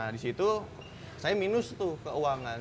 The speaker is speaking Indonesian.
nah disitu saya minus tuh keuangan